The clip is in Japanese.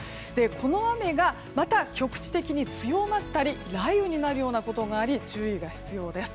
この雨がまた局地的に強まったり雷雨になるようなこともあり注意が必要です。